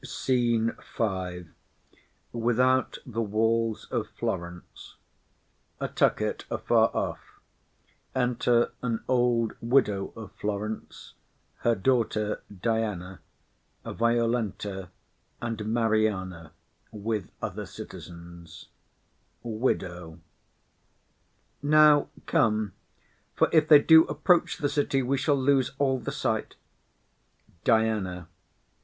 _] SCENE V. Without the walls of Florence. Enter an old Widow of Florence, Diana, Violenta, Mariana and other Citizens. WIDOW. Nay, come; for if they do approach the city, we shall lose all the sight. DIANA.